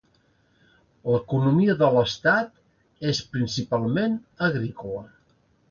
L'economia de l'estat és principalment agrícola.